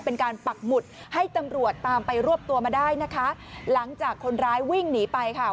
ปักหมุดให้ตำรวจตามไปรวบตัวมาได้นะคะหลังจากคนร้ายวิ่งหนีไปค่ะ